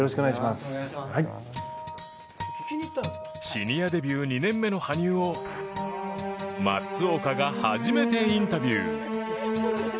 シニアデビュー２年目の羽生を松岡が初めてインタビュー。